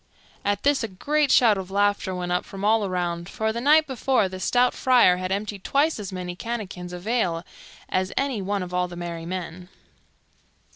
At this a great shout of laughter went up from all around, for the night before the stout Friar had emptied twice as many canakins of ale as any one of all the merry men.